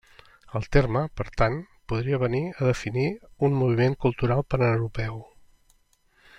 El terme, per tant, podria venir a definir un moviment cultural paneuropeu.